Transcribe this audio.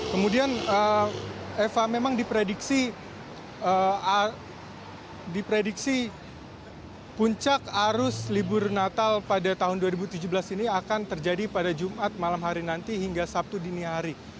kemudian eva memang diprediksi puncak arus libur natal pada tahun dua ribu tujuh belas ini akan terjadi pada jumat malam hari nanti hingga sabtu dini hari